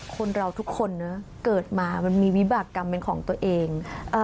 คนเราทุกคนนะเกิดมามันมีวิบากรรมเป็นของตัวเอง